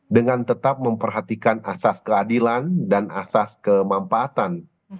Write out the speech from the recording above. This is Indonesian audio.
dengan tetap memperhatikan asas keadilan dan asas kemampaatan